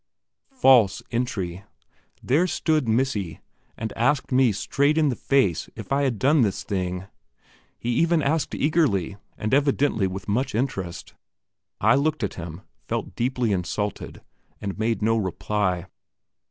False entry! There stood "Missy," and asked me straight in the face if I had done this thing. He even asked eagerly, and evidently with much interest. I looked at him, felt deeply insulted, and made no reply.